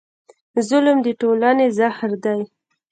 ظلم د ټولنې زهر دی.